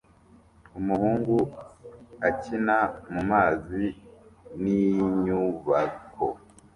Umuhungu akina mumazi ninyubako